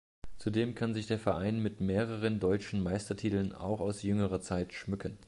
Zudem kann sich der Verein mit mehreren deutschen Meistertiteln, auch aus jüngerer Zeit schmücken.